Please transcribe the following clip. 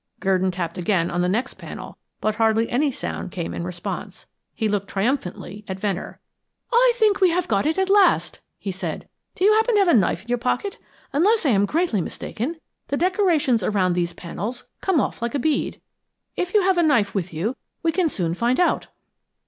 Gurdon tapped again on the next panel, but hardly any sound came in response. He looked triumphantly at Venner. "I think we have got it at last," he said. "Do you happen to have a knife in your pocket? Unless I am greatly mistaken, the decorations around these panels come off like a bead. If you have a knife with you we can soon find out."